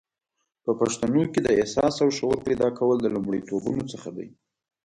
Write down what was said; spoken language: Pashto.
په پښتنو کې د احساس او شعور پیدا کول د لومړیتوبونو څخه دی